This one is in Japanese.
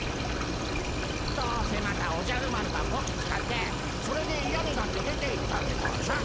どうせまたおじゃる丸がこき使ってそれでいやになって出ていったんでゴンショ。